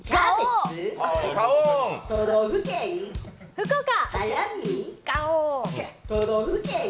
福岡。